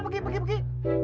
pergi pergi pergi